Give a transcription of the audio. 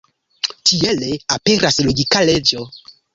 Tiele aperas logika leĝo.